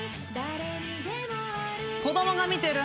子供が見てる。